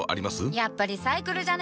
やっぱリサイクルじゃね？